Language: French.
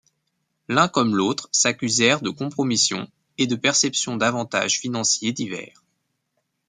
L'un comme l'autre s'accusèrent de compromissions et de perceptions d'avantages financiers divers.